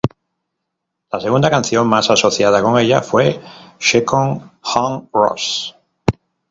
La segunda canción más asociada con ella fue "Second Hand Rose".